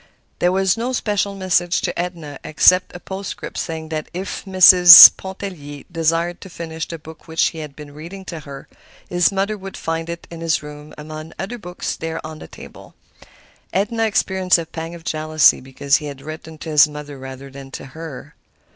There was no special message to Edna except a postscript saying that if Mrs. Pontellier desired to finish the book which he had been reading to her, his mother would find it in his room, among other books there on the table. Edna experienced a pang of jealousy because he had written to his mother rather than to her.